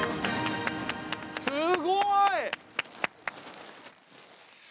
すごい！